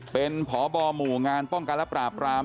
เป็นผ่อบ่อหมู่งานป้องกันรับปราบราม